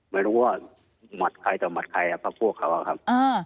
ไม่รู้ว่าหมัดใครต่อหมัดใครกับพวกเขาครับ